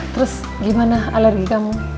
terus gimana alergi kamu